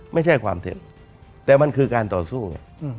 ไม่ใช่ความเท็จแต่มันคือการต่อสู้ไง